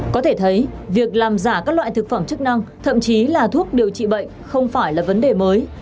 có thể thấy việc làm giả các loại thực phẩm chức năng thậm chí là thuốc điều trị bệnh không phải là vấn đề mới